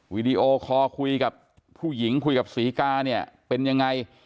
วิดีโอคอร์คุยกับผู้หญิงคุยกับศรีกาเนี่ยเป็นยังไง